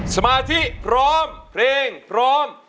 สมาธิพร้อมเพลงพร้อม